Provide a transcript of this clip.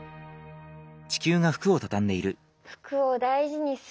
服を大事にする！